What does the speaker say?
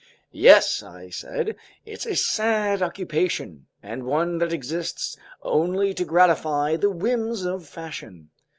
"Yes," I said, "it's a sad occupation, and one that exists only to gratify the whims of fashion.